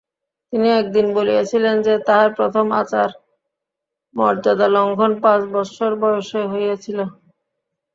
তিনি একদিন বলিয়াছিলেন যে, তাঁহার প্রথম আচার-মর্যাদালঙ্ঘন পাঁচ বৎসর বয়সে হইয়াছিল।